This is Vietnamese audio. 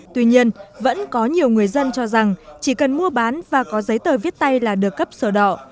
tuy nhiên vẫn có nhiều người dân cho rằng chỉ cần mua bán và có giấy tờ viết tay là được cấp sổ đỏ